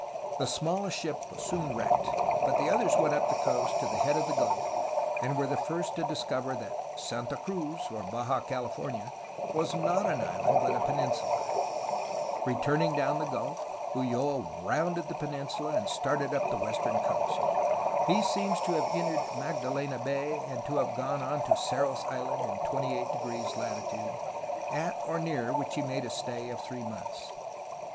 The smallest ship was soon wrecked, but the others went up the coast to the head of the gulf, and were the first to discover that ''Santa Cruz," or Baja California, was not an island but a peninsula. Returning down the gulf, Ulloa rounded the pen I 54 A HISTORY OF CALIFORNIA insula, and started up the western coast. He seems to have entered Magdalena Bay, and to have gone on to Cerros Is land in 28° latitude, at or near which he made a stay of three months.